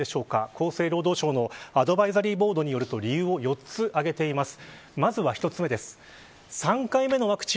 厚生労働省のアドバイザリーボードによると理由を４つ上げています。